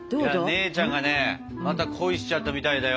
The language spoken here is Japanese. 姉ちゃんがねまた恋しちゃったみたいだよ。